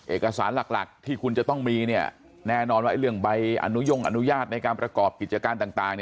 เอกสารหลักที่คุณจะต้องมีแน่นอนว่าเรื่องใบอนุญอนุญาตในการประกอบกิจการต่าง